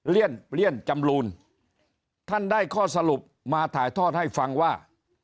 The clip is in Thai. เลี่ยนจำลูนท่านได้ข้อสรุปมาถ่ายทอดให้ฟังว่า